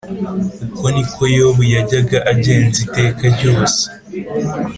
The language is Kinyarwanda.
uko ni ko yobu yajyaga agenza iteka ryose